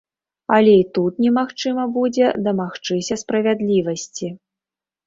Але і тут немагчыма будзе дамагчыся справядлівасці.